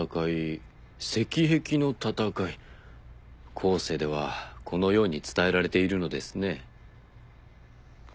後世ではこのように伝えられているのですね。